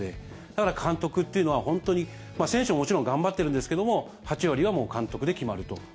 だから監督っていうのは本当に選手ももちろん頑張ってるんですけども８割はもう監督で決まると。